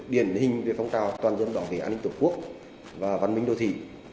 điển hình về phong trào toàn dân bảo vệ an ninh tổ quốc và văn minh đô thị